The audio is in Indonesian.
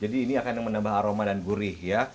jadi ini akan menambah aroma dan gurih ya